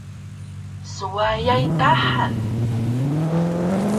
Swayay ta han!